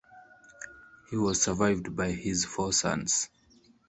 He was survived by his four sons.